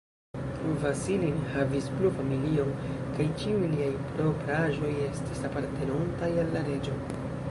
Vasili ne havis plu familion, kaj ĉiuj liaj propraĵoj estis apartenontaj al la Reĝo.